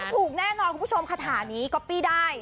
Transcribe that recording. ถูกแน่นอนคุณผู้ชมคาถานี้ก๊อปปี้ได้